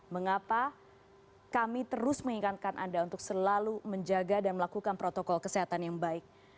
mengapa kami terus mengingatkan anda untuk selalu menjaga dan melakukan protokol kesehatan yang baik